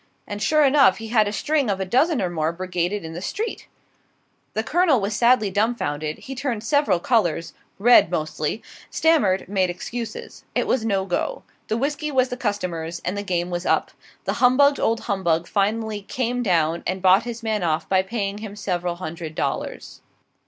And, sure enough, he had a string of a dozen or more brigaded in the street. The Colonel was sadly dumbfounded; he turned several colors red mostly stammered, made excuses. It was no go, the whisky was the customer's, and the game was up. The humbugged old humbug finally "came down," and bought his man off by paying him several hundred dollars.